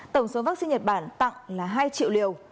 tổng số vaccine nhật bản tặng là hai triệu liều